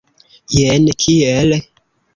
Jen kiel?